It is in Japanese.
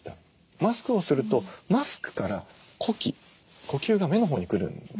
マスクをするとマスクから呼気呼吸が目のほうに来るんですね。